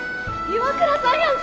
岩倉さんや。